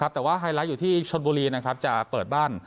แต่ว่าไฮไลท์อยู่ที่ชนบุรีจะเปิดบ้าน